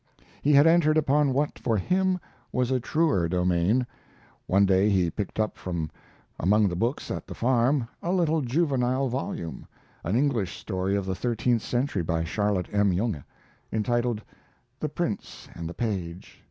He had entered upon what, for him, was a truer domain. One day he picked up from among the books at the farm a little juvenile volume, an English story of the thirteenth century by Charlotte M. Yonge, entitled, The Prince and the Page.